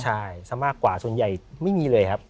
ใช่สำหรับขวาส่วนใหญ่ไม่มีเลยครับ